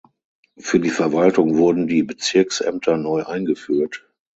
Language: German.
Für die Verwaltung wurden die Bezirksämter neu eingeführt.